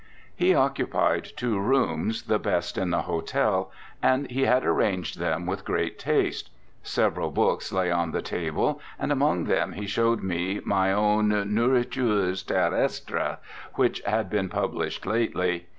He occupied two rooms, the best in the hotel, and he had arranged them with great taste. Several books lay on the table, and among them he showed me my own Nourritures Terrestres, which had been published lately.